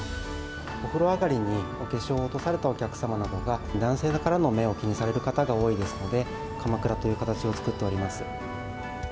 お風呂上がりにお化粧を落とされたお客様などが、男性からの目を気にされる方が多いですので、かまくらという形を作っております。